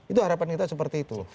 itu harapan kita seperti itu